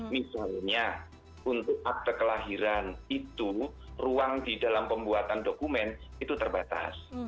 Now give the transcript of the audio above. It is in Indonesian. misalnya untuk akte kelahiran itu ruang di dalam pembuatan dokumen itu terbatas